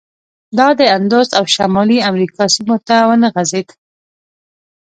دا د اندوس او شمالي امریکا سیمو ته ونه غځېد.